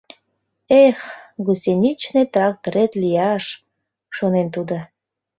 «Эх, гусеничный тракторет лияш!» — шонен тудо.